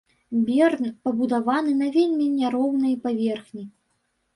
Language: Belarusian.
Берн пабудаваны на вельмі няроўнай паверхні.